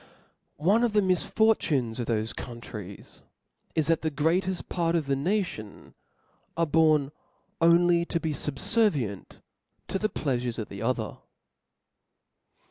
One of the misfortunes of thofe countries is, that the greateft part of the nation are born only to be fubfervient to the pleafurcs of the other.